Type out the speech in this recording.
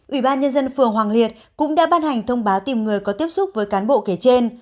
ủy ban nhân dân phường hoàng liệt cũng đã ban hành thông báo tìm người có tiếp xúc với cán bộ kể trên